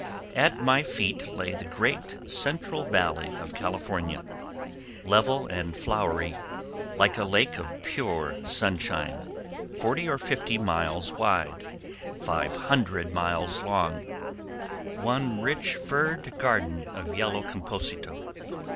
At my feet lay the Great Central Valley of California, level and flowery, like a lake of pure sunshine, forty or fifty miles wide, five hundred miles long, one rich furred garden of yellow Compositœ.